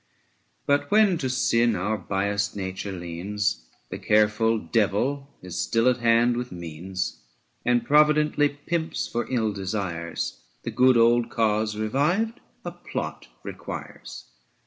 But when to sin our biassed nature leans, The careful Devil is still at hand with means 80 And providently pimps for ill desires ; The good old cause, revived, a plot requires.